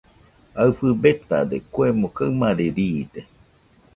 Aɨfɨ betade, kuemo kaɨmare riide.